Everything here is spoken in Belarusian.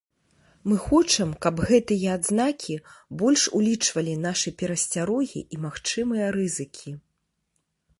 Мы хочам, каб гэтыя адзнакі больш улічвалі нашы перасцярогі і магчымыя рызыкі.